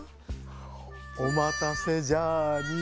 おまたせジャーニー。